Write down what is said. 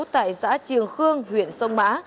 tại xã triều khương huyện sông mã